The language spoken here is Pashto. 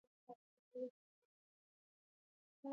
ځنګل د ژوند توازن جوړوي.